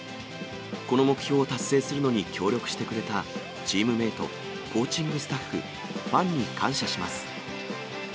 この目標を達成するのに協力してくれたチームメート、コーチングスタッフ、ファンに感謝します。